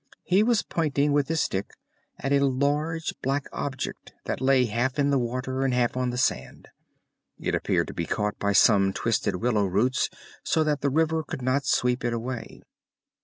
He was pointing with his stick at a large black object that lay half in the water and half on the sand. It appeared to be caught by some twisted willow roots so that the river could not sweep it away.